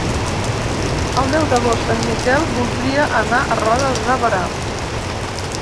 El deu d'agost en Miquel voldria anar a Roda de Berà.